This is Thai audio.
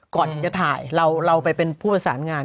ก่อนที่จะถ่ายเราไปเป็นผู้ประสานงาน